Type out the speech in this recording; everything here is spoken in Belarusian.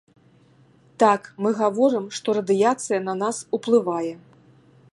Так, мы гаворым, што радыяцыя на нас уплывае.